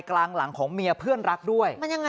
กลางหลังของเมียเพื่อนรักด้วย